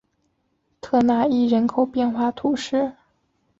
特讷伊人口变化图示